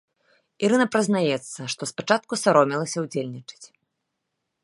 Ірына прызнаецца, што спачатку саромелася ўдзельнічаць.